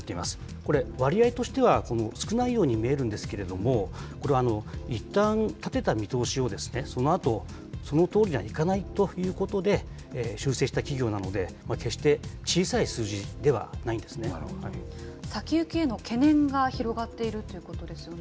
これ、割合としては少ないように見えるんですけれども、これはいったん立てた見通しをそのあとそのとおりにはいかないということで修正した企業なので、決して小さい数字ではないんです先行きへの懸念が広がっているということですよね。